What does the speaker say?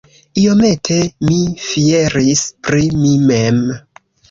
Iomete mi fieris pri mi mem!